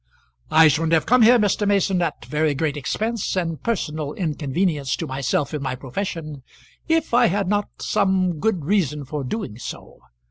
"I shouldn't have come here, Mr. Mason, at very great expense, and personal inconvenience to myself in my profession, if I had not some good reason for doing so.